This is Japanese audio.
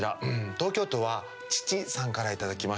東京都はちちさんから頂きました。